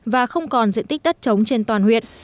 và không còn diện tích đất trống trên toàn huyện